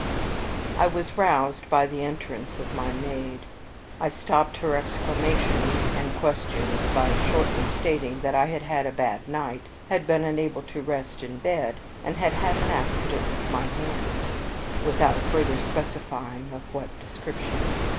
I was roused by the entrance of my maid. I stopped her exclamations and questions by shortly stating that I had had a bad night, had been unable to rest in bed, and had had an accident with my hand, without further specifying of what description.